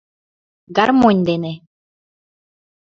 Гармонь дене!